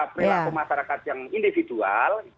perilaku masyarakat yang individual